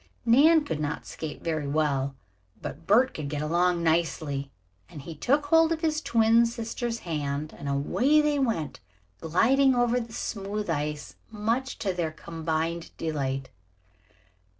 Nan could not skate very well, but Bert could get along nicely, and he took hold of his twin sister's hand, and away they went gliding over the smooth ice much to their combined delight.